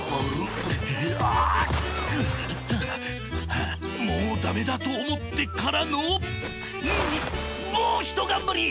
はあもうダメだとおもってからのもうひとがんばり！